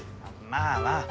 まあまあ。